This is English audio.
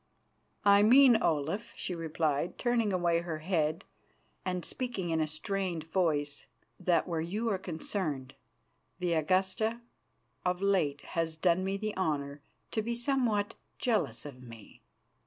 "I mean, Olaf," she replied, turning away her head, and speaking in a strained voice, "that, where you are concerned, the Augusta of late has done me the honour to be somewhat jealous of me.